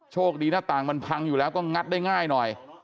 คดีหน้าต่างมันพังอยู่แล้วก็งัดได้ง่ายหน่อย